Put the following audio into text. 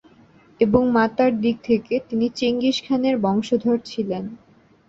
এবং মাতার দিক থেকে তিনি চেঙ্গিস খানের বংশধর ছিলেন।